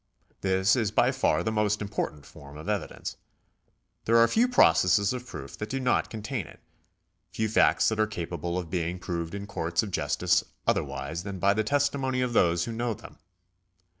This is by far the most important form of evidence. There are few processes of proof that do not contain it — few facts that are capable of being proved in courts of justice otherwise than by the testi mony of those who know them.